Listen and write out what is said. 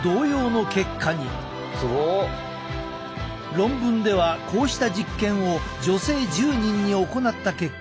論文ではこうした実験を女性１０人に行った結果